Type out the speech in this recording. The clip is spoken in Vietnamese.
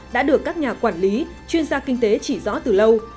đã được các nhà quản lý chuyên gia kinh tế chỉ rõ từ lâu